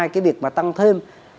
cái việc mà tăng thêm